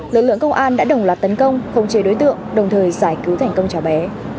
lực lượng công an đã đồng loạt tấn công không chế đối tượng đồng thời giải cứu thành công cháu bé